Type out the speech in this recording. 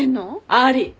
あり！